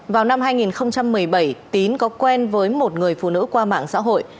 vào năm hai nghìn một mươi bảy tín có quen với một người phụ nữ qua mạng xã hội